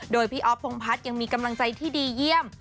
โดยพี่อ๊อฟพงพัฒน์ยังมีกำลังใจที่ดีเยี่ยม